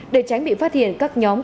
để tránh bị phát hiện các nhóm